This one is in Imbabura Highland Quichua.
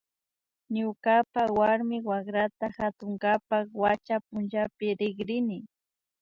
Ñukapa warmi wakrata katunkapak wacha punchapi rikrini